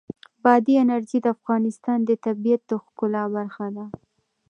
بادي انرژي د افغانستان د طبیعت د ښکلا برخه ده.